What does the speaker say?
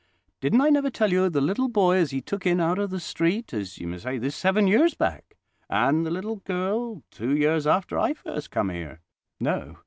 Didn't I never tell you of the little boy as he took in out of the street, as you may say, this seven years back? and the little girl, two years after I first come here?" "No.